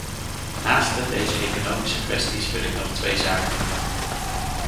Naaste deze economische kwesties wil ik nog twee zaken noemen.